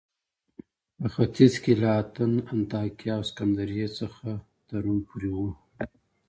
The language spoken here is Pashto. په ختیځ کې له اتن، انطاکیه او سکندریې څخه تر روم پورې و